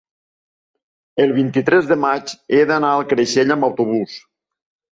el vint-i-tres de maig he d'anar a Creixell amb autobús.